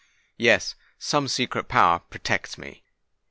Yes—some secret power protects me.